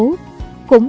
cũng trong đó